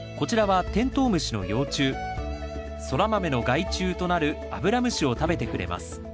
こちらはソラマメの害虫となるアブラムシを食べてくれます。